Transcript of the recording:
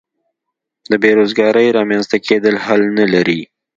د بې روزګارۍ رامینځته کېدل حل نه لري.